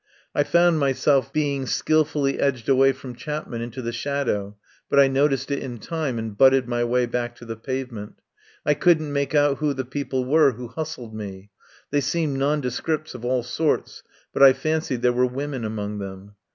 I found myself be ing skilfully edged away from Chapman into the shadow, but I noticed it in time and butted my way back to the pavement. I couldn't make out who the people were who hustled me. They seemed nondescripts of all sorts, but I fancied there were women among them.